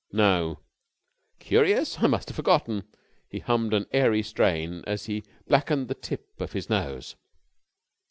"No." "Curious! I must have forgotten." He hummed an airy strain as he blackened the tip of his nose.